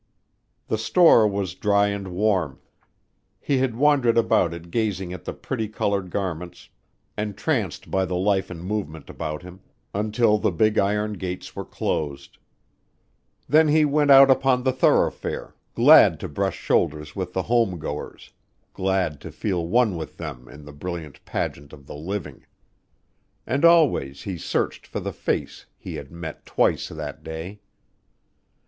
The store was dry and warm. He had wandered about it gazing at the pretty colored garments, entranced by the life and movement about him, until the big iron gates were closed. Then he went out upon the thoroughfare, glad to brush shoulders with the home goers, glad to feel one with them in the brilliant pageant of the living. And always he searched for the face he had met twice that day.